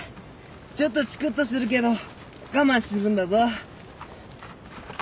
ちょっとチクッとするけど我慢するんだぞ。